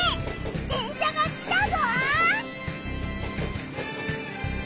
電車が来たぞ！